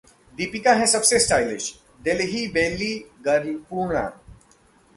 दीपिका हैं सबसे stylish: 'Delhi belly' girl पूर्णा